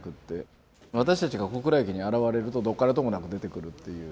私たちが小倉駅に現れるとどこからともなく出てくるっていう。